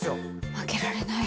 負けられない。